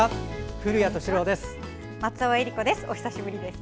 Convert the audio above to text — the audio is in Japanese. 古谷敏郎です。